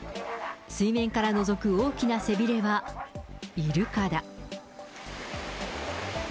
水面からのぞく大きな背びれは、イルカだ。